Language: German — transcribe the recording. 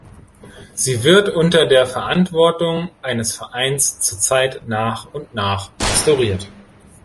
Sie wird unter der Verantwortung eines Vereins zurzeit nach und nach restauriert.